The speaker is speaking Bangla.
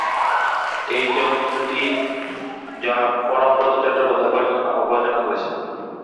এ চলচ্চিত্রটি য পরমব্রত চট্টোপাধ্যায় পরিচালনা ও প্রযোজনা করেছেন।